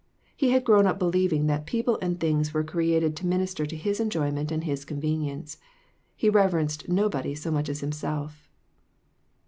He had grown up believing that people and things were created to minister to his enjoyment and his convenience. He reverenced nobody so much as himself.